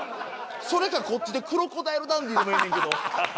それかこっちで『クロコダイル・ダンディー』でもええねんけど。